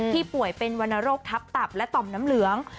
ป่วยเป็นวรรณโรคทับตับและต่อมน้ำเหลือง